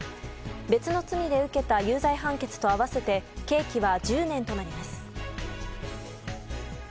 別の罪で受けた有罪判決と合わせて刑期は１０年となります。